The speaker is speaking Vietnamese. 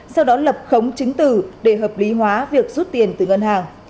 sau đó lập khống chứng tử để hợp lý hóa việc rút tiền từ ngân hàng